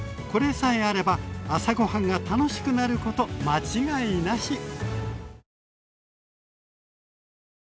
これさえあれば朝ごはんが楽しくなること間違いなし！